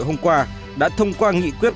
hôm qua đã thông qua nghị quyết